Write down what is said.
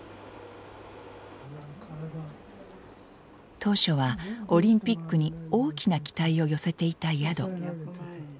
当初はオリンピックに大きな期待を寄せていた宿。